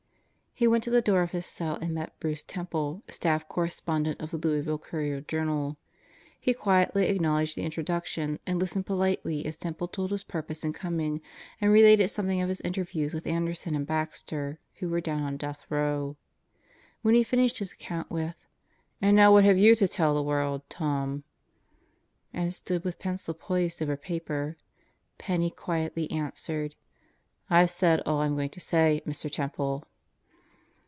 He went to the door of his cell and met Bruce Temple, Staff Correspondent of the Louisville Courier Journal. He quietly acknowledged the introduction and listened politely as Temple told his purpose in coming and related something of his interviews with Anderson and Baxter, who were down on Death Row. When he finished his account with "And now what have you to tell the world, Tom?" and stood with pencil poised over pad, Penney quietly answered: "IVe said all I'm going to say, Mr. Temple."